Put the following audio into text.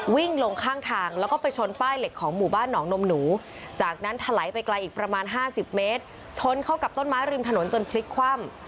วิ่งลงข้างทางแล้วก็ไปชนป้ายเหล็กของหมู่บ้านหนองนมหนูจากนั้นถลายไปไกลอีกประมาณ๕๐เมตรชนเข้ากับต้นไม้ริมถนนจนพลิกคว่ำ